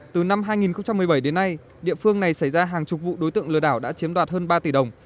từ năm hai nghìn một mươi bảy đến nay địa phương này xảy ra hàng chục vụ đối tượng lừa đảo đã chiếm đoạt hơn ba tỷ đồng